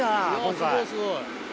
すごいすごい。